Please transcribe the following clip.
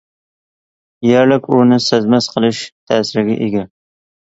يەرلىك ئورۇننى سەزمەس قىلىش تەسىرىگە ئىگە.